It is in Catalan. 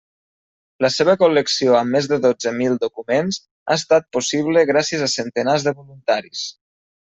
La seva col·lecció amb més de dotze mil documents, ha estat possible gràcies a centenars de voluntaris.